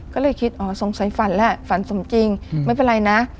ก็เลยคิดอ๋อสงสัยฝันแหละฝันสมจริงไม่เป็นไรนะ